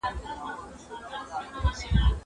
کېدای سي قلم خراب وي.